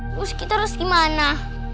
terus kita harus gimana